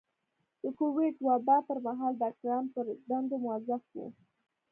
د کوويډ وبا پر مهال ډاکټران پر دندو مؤظف وو.